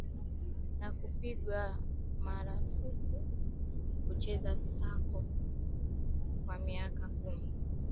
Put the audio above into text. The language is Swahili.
Na kupigwa marafuku kucheza soka kwa miezi kumi na tano